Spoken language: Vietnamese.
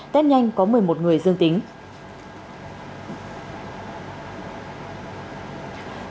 tết nhanh có một mươi một người dương tính